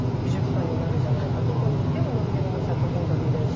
どこに行っても野見山の作品が見れる」。